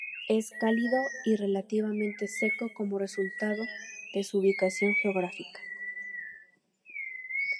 Es cálido y relativamente seco como resultado de su ubicación geográfica.